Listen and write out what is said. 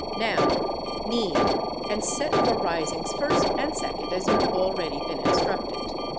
_ Now, knead and set for risings first and second, as you have already been instructed.